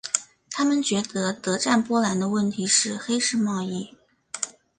他们觉得德占波兰的问题是黑市贸易。